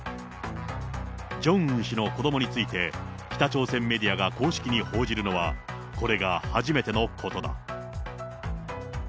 ジョンウン氏の子どもについて、北朝鮮メディアが公式に報じるのは、これが初めてのことだ。